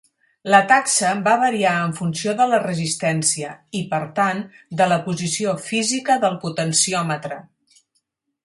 La taxa va variar en funció de la resistència i, per tant, de la posició física del potenciòmetre.